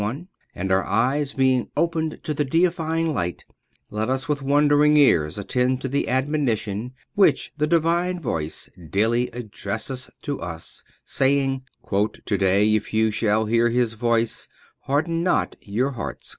1 and our eyes being opened to the deifying light, let us with wondering ears attend to the admonition with the Divine Voice daily addresseth to us, saying: "To day if you shall hear His voice, harden not your hearts".